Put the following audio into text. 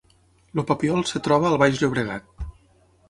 El Papiol es troba al Baix Llobregat